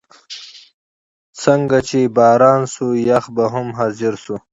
څنګه چې به باران شو، یخ به هم حاضر شو.